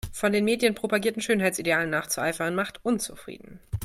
Von den Medien propagierten Schönheitsidealen nachzueifern macht unzufrieden.